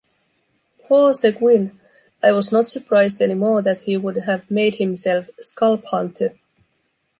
Poor Séguin! I was not surprised anymore that he would have made himself scalp hunter.